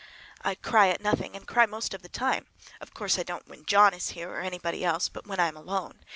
I cry at nothing, and cry most of the time. Of course I don't when John is here, or anybody else, but when I am alone.